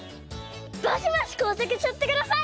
バシバシこうさくしちゃってください！